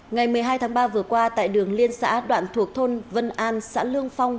ngày hai tháng ba vừa qua tại đường liên xã đoạn thuộc thôn vân an xã lương phong